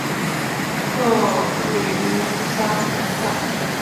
克瑞乌萨。